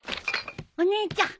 お姉ちゃん。